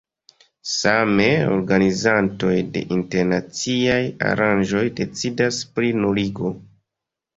Same, organizantoj de internaciaj aranĝoj decidas pri nuligo.